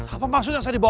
apa maksudnya saya dibawa